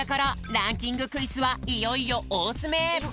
ランキング・クイズはいよいよおおづめ！